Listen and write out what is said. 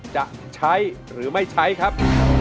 จะใช้หรือไม่ใช้ครับ